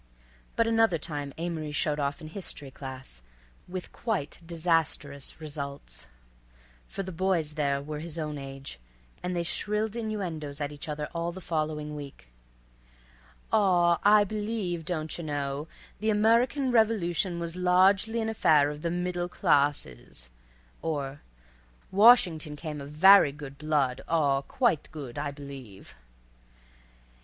But another time Amory showed off in history class, with quite disastrous results, for the boys there were his own age, and they shrilled innuendoes at each other all the following week: "Aw—I b'lieve, doncherknow, the Umuricun revolution was lawgely an affair of the middul clawses," or "Washington came of very good blood—aw, quite good—I b'lieve."